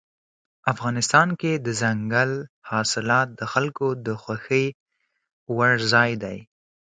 افغانستان کې دځنګل حاصلات د خلکو د خوښې وړ ځای دی.